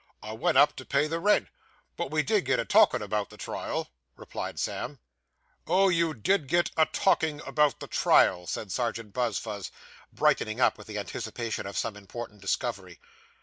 'I went up to pay the rent; but we did get a talkin' about the trial,' replied Sam. 'Oh, you did get a talking about the trial,' said Serjeant Buzfuz, brightening up with the anticipation of some important discovery.